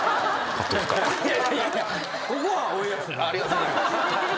ありがとうございます。